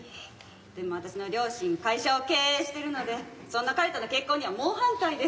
でも私の両親会社を経営してるのでそんな彼との結婚には猛反対で。